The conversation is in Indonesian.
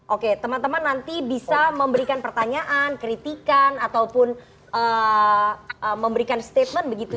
oke teman teman nanti bisa memberikan pertanyaan kritikan ataupun memberikan statement begitu